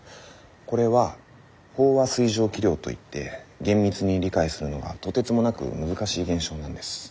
これは飽和水蒸気量といって厳密に理解するのがとてつもなく難しい現象なんです。